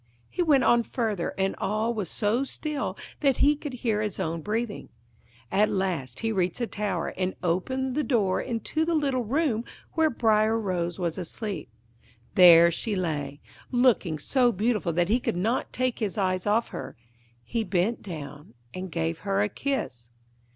He went on further, and all was so still that he could hear his own breathing. At last he reached the tower, and opened the door into the little room where Briar Rose was asleep. There she lay, looking so beautiful that he could not take his eyes off her; he bent down and gave her a kiss.